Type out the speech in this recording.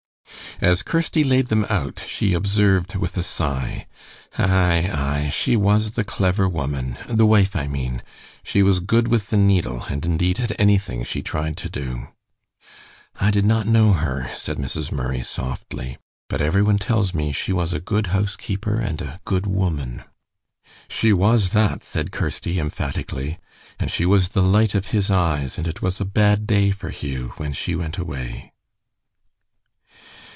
As Kirsty laid them out she observed with a sigh: "Aye, aye, she was the clever woman the wife, I mean. She was good with the needle, and indeed, at anything she tried to do." "I did not know her," said Mrs. Murray, softly, "but every one tells me she was a good housekeeper and a good woman." "She was that," said Kirsty, emphatically, "and she was the light of his eyes, and it was a bad day for Hugh when she went away."